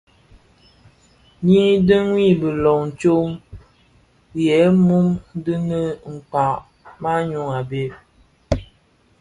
Yi dhiwu bilom tsom yè mum di nin kpag maňyu a bhëg.